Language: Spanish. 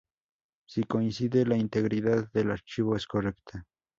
Si coincide, la integridad del archivo es correcta.